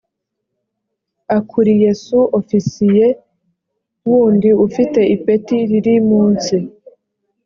akuriye su ofisiye wundi ufite ipeti riri munsi